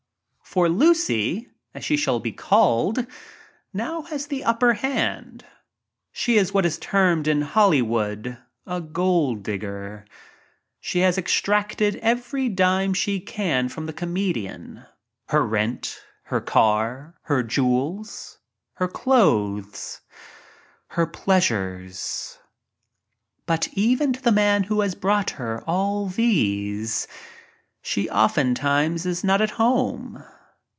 ^ For Lucy — as she shall be called — now has ^v, upper hand. She is what is termed in Hollywood "a gold digger." She has extracted every dime she can from the comedian — her rent, her car, her jew els, her clothes, her pleasures. 7 7 J7 But even to the man who has brought her all she oftentimes is not at home.